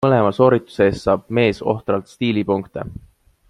Mõlema soorituse eest saab mees ohtralt stiilipunkte.